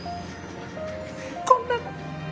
こんなの。